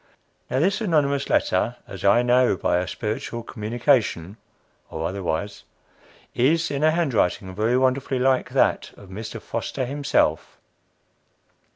Now, this anonymous letter, as I know by a spiritual communication, (or otherwise,) is in a handwriting very wonderfully like that of Mr. Foster himself.